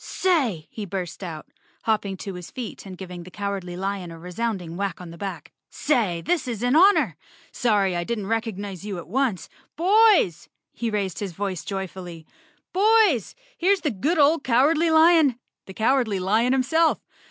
"Say!" he burst out, hopping to his feet and giving the Cowardly Lion a resounding whack on the back, " say, this is an honor. Sorry I didn't recognize you at once. Boys!" He raised his voice joyfully, "Boys, here's the good old Cowardly lion, the Cowardly Lion himself.